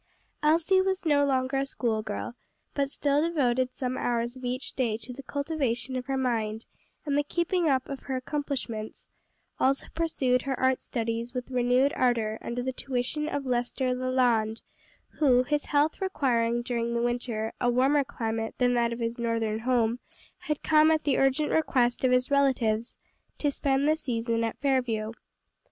Elsie was no longer a schoolgirl, but still devoted some hours of each day to the cultivation of her mind and the keeping up of her accomplishments; also pursued her art studies with renewed ardor under the tuition of Lester Leland, who, his health requiring during the winter, a warmer climate than that of his northern home, had come at the urgent request of his relatives, to spend the season at Fairview.